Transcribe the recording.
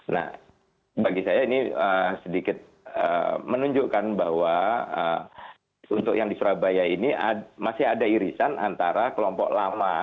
nah bagi saya ini sedikit menunjukkan bahwa untuk yang di surabaya ini masih ada irisan antara kelompok lama